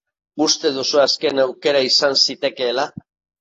Uste duzu azken aukera izan zitekeela?